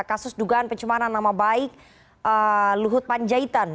kasus dugaan pencemaran nama baik luhut panjaitan